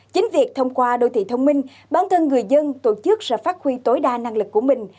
chính việc thông qua đô thị thông minh bản thân người dân tổ chức sẽ phát huy tối đa năng lực của mình